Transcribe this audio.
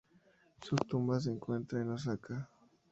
Su tumba se encuentra en Osaka.